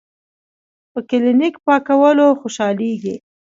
پۀ کلینک پاکولو خوشالیږي ـ